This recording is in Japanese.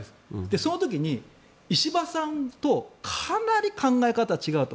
その時に石破さんとかなり考え方が違うと。